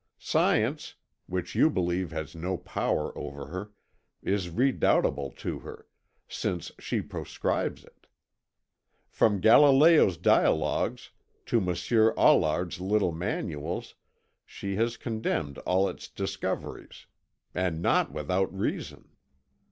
Science, which you believe has no power over her, is redoubtable to her, since she proscribes it. From Galileo's dialogues to Monsieur Aulard's little manuals she has condemned all its discoveries. And not without reason.